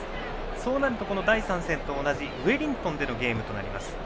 そうなるとこの第３戦と同じウェリントンでのゲームとなります。